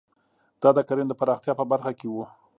دا د کرنې د پراختیا په برخه کې وو.